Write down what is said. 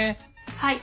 はい。